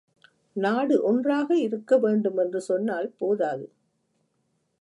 நாடு ஒன்றாக இருக்கவேண்டும் என்று சொன்னால் போதாது.